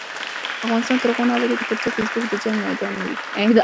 افغانستان تر هغو نه ابادیږي، ترڅو فیسبوک د جنګ میدان نه وي.